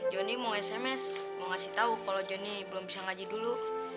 joni mau sms mau ngasih tau kalo joni belum bisa ngaji dulu